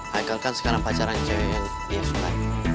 haikal kan sekarang pacaran cewek yang dia suka